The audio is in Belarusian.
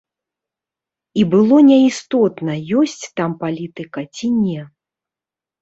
І было неістотна, ёсць там палітыка ці не.